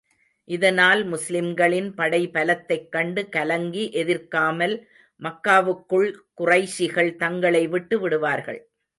இதனால் முஸ்லிம்களின் படைபலத்தைக் கண்டு கலங்கி, எதிர்க்காமல் மக்காவுக்குள் குறைஷிகள், தங்களை விட்டு விடுவார்கள்.